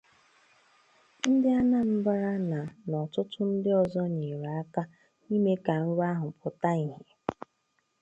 ndị Anambra na na ọtụtụ ndị ọzọ nyere aka ime ka nrọ ahụ pụta ìhè